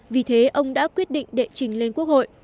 vì thế ông đã quyết định đệ trình lên quốc hội